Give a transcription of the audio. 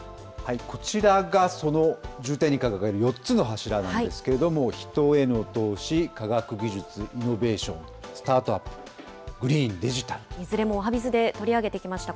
こちらがその重点に掲げる４つの柱なんですけれども、人への投資、科学技術・イノベーション、スタートアップ、グリーン、デジいずれもおはＢｉｚで取り上げてきました